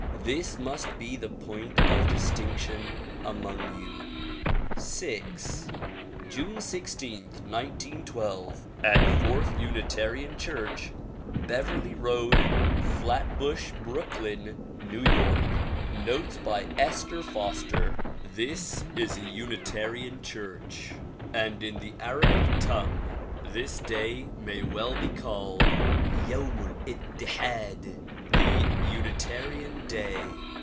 This must be the point of distinction among you. VI June 16, 1912, at Fourth Unitarian Church, Beverly Road, Flatbush, Brooklyn, N. Y. Notes by Esther Foster THIS is a unitarian church, and in the Arabic tongue, this Day may well be called "Yauml'ittihad," the "Unitarian Day."